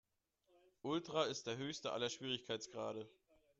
Ultra ist der höchste aller Schwierigkeitsgrade.